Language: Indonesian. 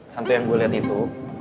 hantu yang gue lihat itu